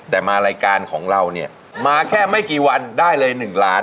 แต่มารายการของเราเนี่ยมาแค่ไม่กี่วันได้เลย๑ล้าน